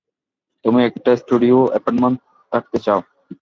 তুমি একটা স্টুডিও এপার্টমেন্টে থাকতে চাও?